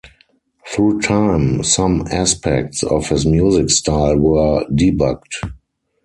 Through time some aspects of his music style were debugged.